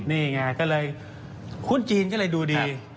นี่ไงก็เลยหุ้นจีนก็เลยดูดี